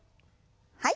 はい。